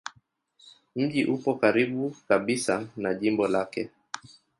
Mji upo karibu kabisa na jimbo lake.